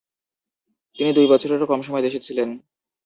তিনি দুই বছরেরও কম সময় দেশে ছিলেন।